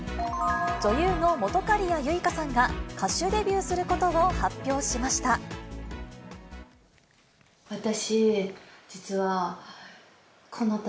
女優の本仮屋ユイカさんが歌手デビューすることを発表しました。